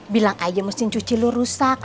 bilang aja mesin cuci lo rusak